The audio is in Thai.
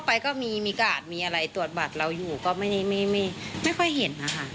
แล้วข้างในมันมีลักษณะยังไงอ่ะครับพี่